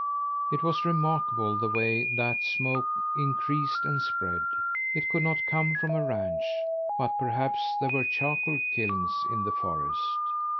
It was remarkable the way that smoke increased and spread! It could not come from a ranch, but perhaps there were charcoal kilns in the forest.